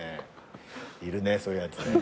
いるねそういうやつね。